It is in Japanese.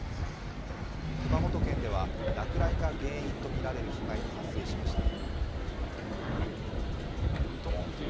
熊本県では落雷が原因とみられる被害も発生しました。